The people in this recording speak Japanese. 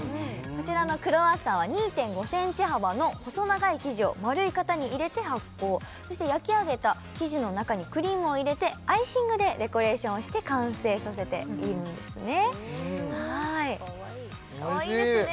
こちらのクロワッサンは２．５ｃｍ幅の細長い生地をまるい型に入れて発酵そして焼き上げた生地の中にクリームを入れてアイシングでデコレーションをして完成させているんですねふんかわいいかわいいですね